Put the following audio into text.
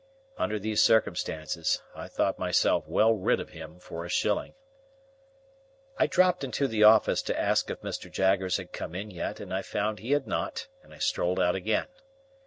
Under these circumstances I thought myself well rid of him for a shilling. I dropped into the office to ask if Mr. Jaggers had come in yet, and I found he had not, and I strolled out again.